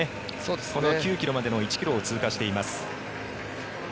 この９ｋｍまでの１ｋｍを通過しています。